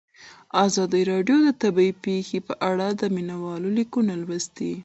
ازادي راډیو د طبیعي پېښې په اړه د مینه والو لیکونه لوستي.